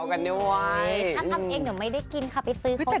ถ้าทำเองเดี๋ยวไม่ได้กินค่ะไปซื้อเขา